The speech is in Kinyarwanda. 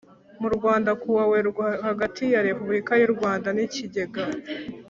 Mu rwanda kuwa werurwe hagati ya repubulika y u rwanda n ikigega